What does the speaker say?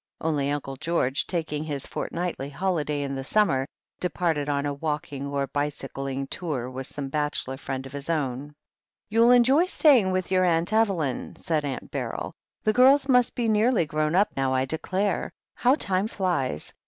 Only Unde George, taking his 52 THE HEEL OF ACHILLES fortnightly holiday in the summer, departed on a walk ing or bicycling tour with some bachelor friend of his own. "You'll enjoy staying with your Aunt Evelyn," said Aunt Beryl. "The girls must be nearly grown up now, I declare. How time flies